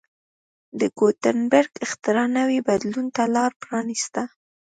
د ګوتنبرګ اختراع نوي بدلون ته لار پرانېسته.